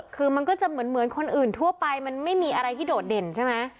คือมันก็จะเหมือนคนอื่นทั่วไปมันไม่มีอะไรที่โดดเด่นใช่ไหม